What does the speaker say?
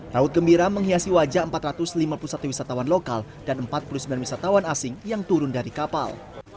raut gembira menghiasi wajah empat ratus lima puluh satu wisatawan lokal dan empat puluh sembilan wisatawan asing yang turun dari kapal